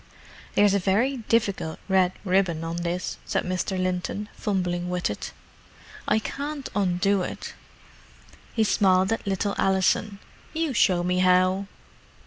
"There's a very difficult red ribbon on this," said Mr. Linton, fumbling with it. "I can't undo it." He smiled at little Alison. "You show me how."